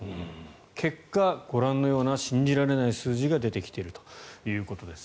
結果、ご覧のような信じられない数字が出てきているということです。